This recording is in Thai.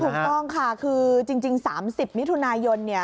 ถูกต้องค่ะคือจริง๓๐มิถุนายนเนี่ย